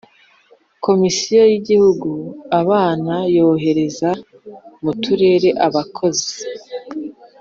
Komisiyo y’Igihugu abana yohereza mu Turere abakozi